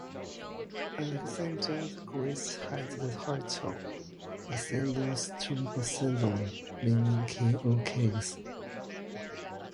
Alexander the Great had the title: "Basileus ton Basileon" meaning king of kings.